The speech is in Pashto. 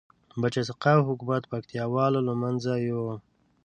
بچه سقاو حکومت پکتيا والو لمنځه یوړ